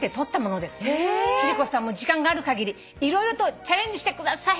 「貴理子さんも時間があるかぎり色々とチャレンジしてください」